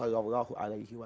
dan masih banyak cerita cerita